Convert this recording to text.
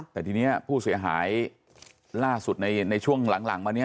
แต่ทีนี้ผู้เสียหายล่าสุดในช่วงหลังมาเนี่ย